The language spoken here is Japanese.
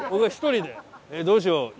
えっどうしよう。